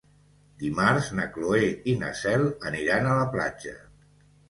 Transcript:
Dimarts na Cloè i na Cel aniran a la platja.